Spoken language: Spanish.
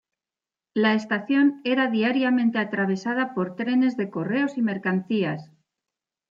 La estación era diariamente atravesada por trenes de correos y mercancías.